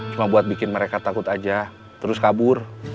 cuma buat bikin mereka takut aja terus kabur